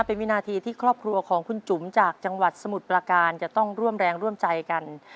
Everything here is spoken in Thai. เป็นวินาทีที่ครอบครัวของคุณจุ๋มจากจังหวัดสมุทรประการจะต้องร่วมแรงร่วมใจกัน